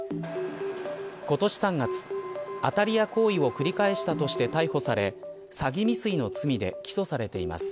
今年３月、当たり屋行為を繰り返したとして逮捕され詐欺未遂の罪で起訴されています。